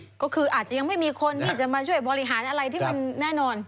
ก็คืออาจจะยังไม่มีคนที่จะมาช่วยบริหารอะไรที่มันแน่นอน